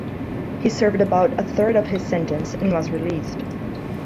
He served about a third of his sentence and was released.